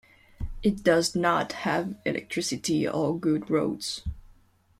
It does not have electricity or good roads.